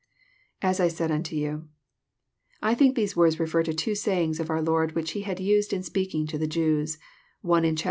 lAs 1 said unto yoti.] I think these words refer to two sayings . of our Lord, which He had used in speaking to the Jews, one in chap.